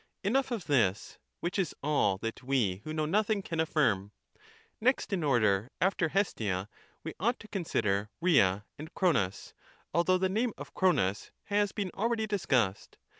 Enough of this, which is all that we who know nothing can affirm. Next in order after Hestia we ought to consider Rhea and Cronos, although the name of Cronos has been already discussed.